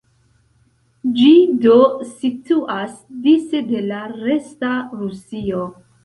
Ĝi do situas dise de la "resta" Rusio.